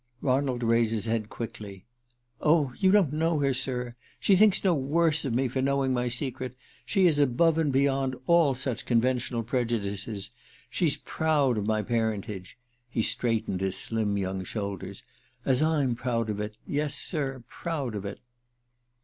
Ronald raised his head quickly. "Oh, you don't know her, sir! She thinks no worse of me for knowing my secret. She is above and beyond all such conventional prejudices. She's proud of my parentage " he straightened his slim young shoulders "as I'm proud of it ... yes, sir, proud of it..."